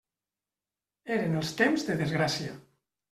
Eren els temps de desgràcia.